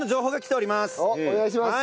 おっお願いします。